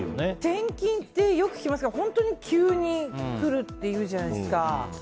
転勤ってよく聞きますけど本当に急に来るって言うじゃないですか。